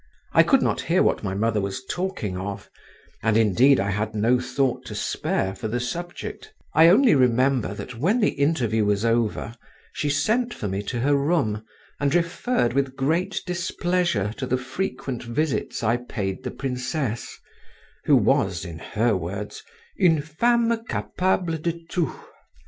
I could not hear what my mother was talking of, and indeed I had no thought to spare for the subject; I only remember that when the interview was over, she sent for me to her room, and referred with great displeasure to the frequent visits I paid the princess, who was, in her words, une femme capable de tout.